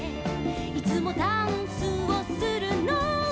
「いつもダンスをするのは」